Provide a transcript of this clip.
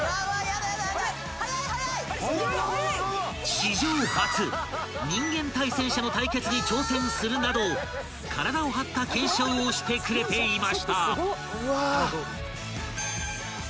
［史上初人間対戦車の対決に挑戦するなど体を張った検証をしてくれていました］